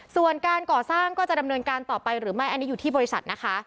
ส่วนการก่อสร้างก็จะดำเนินการต่อไปหรือไม่อันนี้อยู่ที่บริษัทนะคะ